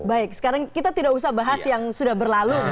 baik sekarang kita tidak usah bahas yang sudah berlalu